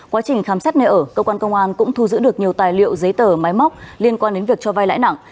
quá trình khám xét nơi ở cơ quan công an cũng thu giữ được nhiều tài liệu giấy tờ máy móc liên quan đến việc cho vai lãi nặng